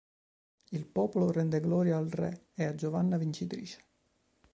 Il popolo rende gloria al re e a Giovanna vincitrice.